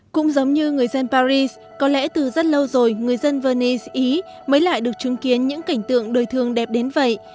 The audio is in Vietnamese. cũng giống như người dân paris có lẽ từ rất lâu rồi người dân vene ý mới lại được chứng kiến những cảnh tượng đời thường đẹp đến vậy